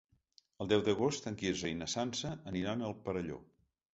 El deu d'agost en Quirze i na Sança aniran al Perelló.